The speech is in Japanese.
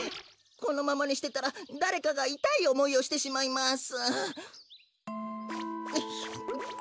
このままにしてたらだれかがいたいおもいをしてしまいます。